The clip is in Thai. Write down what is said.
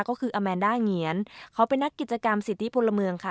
ก็คืออาแมนด้าเหงียนเขาเป็นนักกิจกรรมสิทธิพลเมืองค่ะ